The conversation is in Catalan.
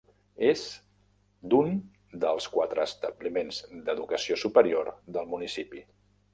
És d'un dels quatre establiments d'educació superior del municipi.